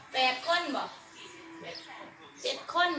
แปดข้นบ่แปดข้น